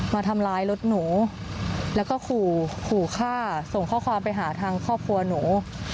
มาทำร้ายรถหนูแล้วก็ขู่ขู่ฆ่าส่งข้อความไปหาทางครอบครัวหนู